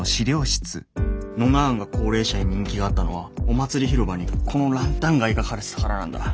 ノナ案が高齢者に人気があったのはお祭り広場にこのランタンが描かれてたからなんだ。